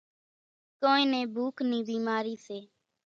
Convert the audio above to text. ڪونئين نين ڀوُک نِي ڀِيمارِي سي۔